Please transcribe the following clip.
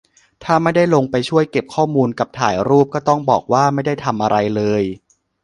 ถ้าไม่ได้ลงไปช่วยเก็บข้อมูลกับถ่ายรูป ก็ต้องบอกว่า ไม่ได้ทำอะไรเลย